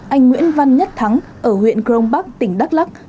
anh nguyễn văn nhất thắng ở huyện crong bắc tỉnh đắk lắc